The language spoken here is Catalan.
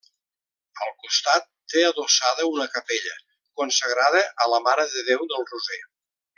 Al costat té adossada una capella consagrada a la Mare de Déu del Roser.